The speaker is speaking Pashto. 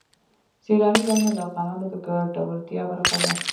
سیلانی ځایونه د افغانانو د ګټورتیا برخه ده.